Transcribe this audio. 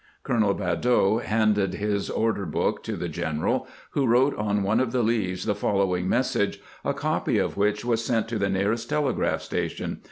Colonel Badeau handed his order book to the general, who wrote on one of the leaves the following message, a copy of which was sent to the nearest telegraph station.